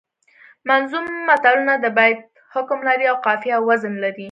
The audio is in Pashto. منظوم متلونه د بیت حکم لري او قافیه او وزن لري